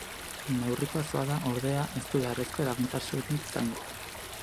Neurrikoa ez bada, ordea, ez du beharrezko eraginkortasunik izango.